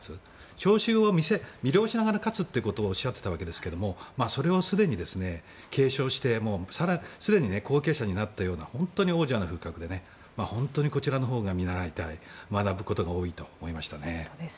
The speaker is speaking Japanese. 聴衆を魅了しながら勝つということをおっしゃっていたわけですがそれをすでに継承してすでに後継者になったような本当に王者の風格で本当にこちらのほうが見習いたい学ぶことが多いと思いましたね。